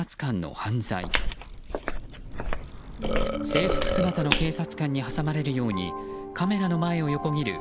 制服姿の警察官に挟まれるようにカメラの前を横切る